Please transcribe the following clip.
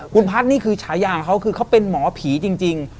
คุณพัฒน์นี่คือฉายาของเขาคือเขาเป็นหมอผีจริง